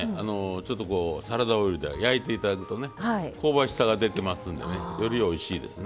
ちょっとこうサラダオイルで焼いていただくとね香ばしさが出てますんでねよりおいしいですね。